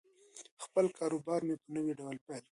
خپل کاروبار مې په نوي ډول پیل کړ.